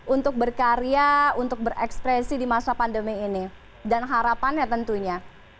untuk berkarya untuk berekspresi di masa pandemi ini dan harapannya tentunya